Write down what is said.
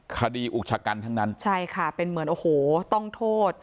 อุกชะกันทั้งนั้นใช่ค่ะเป็นเหมือนโอ้โหต้องโทษ